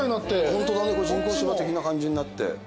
ホントだね人工芝的な感じになって。